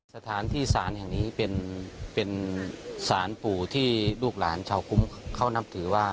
สถานที่สารแห่งนี้เป็นสารปู่ที่ลูกหลานชาวคุ้มเขานับถือว่า